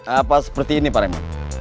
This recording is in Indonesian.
apa seperti ini pak rem